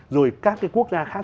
rồi các cái quốc gia khác